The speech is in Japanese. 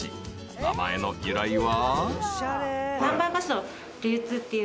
［名前の由来は］